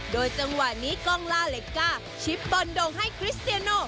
โดยจังหวะนี้กล้องล่าเล็กก้าชิปบอลดงให้คริสเตียโน